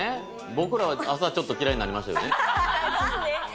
僕らは朝がちょっと嫌いになりましたよね。